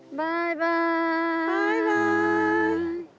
バイバーイ！